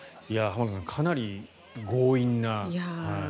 浜田さん、かなり強引な。